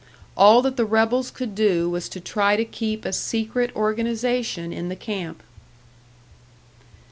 All that the rebels could do was to try to keep a secret organisation in the camp.